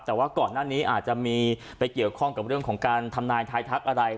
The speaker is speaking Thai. แต่ว่าก่อนหน้านี้อาจจะมีไปเกี่ยวข้องกับเรื่องของการทำนายทายทักอะไร